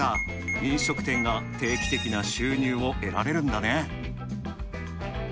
飲食店が定期的な収入を得られるんだね。